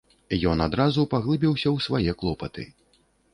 Ён адразу паглыбіўся ў свае клопаты.